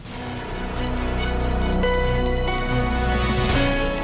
dan semogadid you enjoy watching video ini